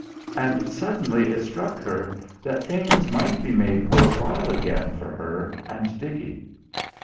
and suddenly it struck her that things might be made worth while again for her and Dickie.